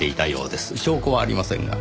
証拠はありませんが。